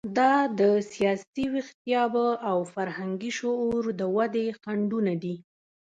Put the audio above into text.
دا د سیاسي ویښتیابه او فرهنګي شعور د ودې خنډونه دي.